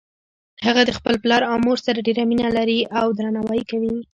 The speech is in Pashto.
هغه د خپل پلار او مور سره ډیره مینه لری او درناوی یی کوي